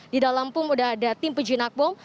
di dalam pun sudah ada tim pejinak bom